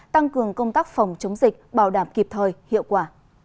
tăng cường công tác phòng chống dịch bảo đảm kịp thời hiệu quả